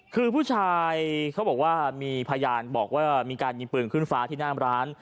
คือผู้ชายเขาบอกว่ามีพยานบอกว่ามีการยิงปืนขึ้นฟ้าที่หน้าร้าน